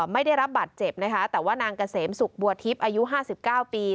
ไม่ได้รับบัตรเจ็บนะคะแต่ว่านางเกษมศุกร์บัวทิพย์อายุ๕๙ปี